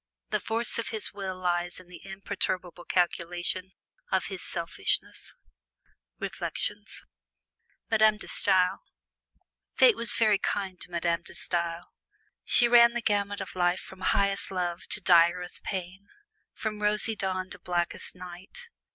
The force of his will lies in the imperturbable calculation of his selfishness. Reflections [Illustration: MADAME DE STAEL] Fate was very kind to Madame De Stael. She ran the gamut of life from highest love to direst pain from rosy dawn to blackest night.